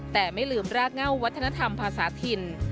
แต่ไม่ลืมรากเง่าวัฒนธรรมภาษาถิ่น